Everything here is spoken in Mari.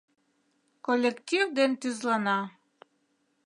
Коллектив ден тӱзлана.